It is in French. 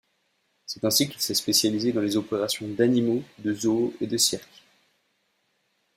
C'est ainsi qu'il s'est spécialisé dans les opérations d'animaux de zoo et de cirque.